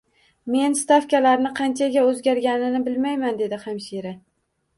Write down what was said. Men stavkalarni qanchaga o`zgarganini bilmayman, dedi hamshira